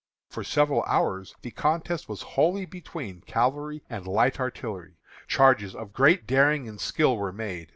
For several hours the contest was wholly between cavalry and light artillery. Charges of great daring and skill were made.